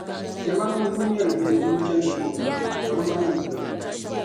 Ʒiɛmani ŋɔ gbinyari bihi n-chani tooni ka bɛ manim’ doli.